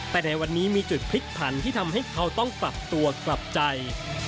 แต่ในวันนี้มีจุดพลิกผันที่ทำให้เขาต้องปรับตัวกลับใจ